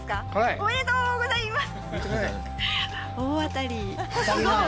おめでとうございます！